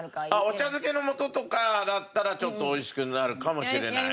お茶づけの素とかだったらちょっと美味しくなるかもしれない。